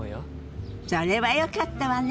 それはよかったわね。